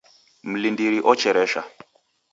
Mlindiri ocheresha